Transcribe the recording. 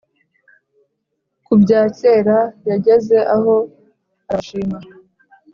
ku bya kera, yageze aho arabashima,